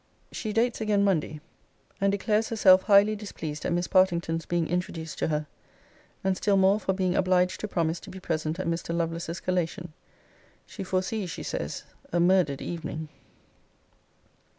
[She dates again Monday, and declares herself highly displeased at Miss Partington's being introduced to her: and still more for being obliged to promise to be present at Mr. Lovelace's collation. She foresees, she says, a murder'd evening.